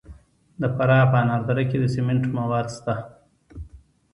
د فراه په انار دره کې د سمنټو مواد شته.